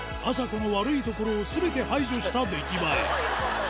この悪いところを全て排除した出来栄え